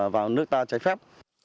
vào nước ta trái phép